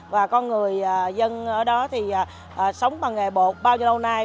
và con người dân ở đó thì sống bằng nghề bột bao nhiêu lâu nay